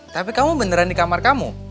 tapi kamu beneran di kamar kamu